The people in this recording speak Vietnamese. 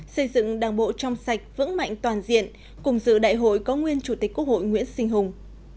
xây dựng đảng bộ trong sạch vững mạnh toàn diện cùng dự đại hội có nguyên chủ tịch quốc hội nguyễn sinh hùng